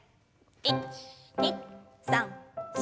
１２３４。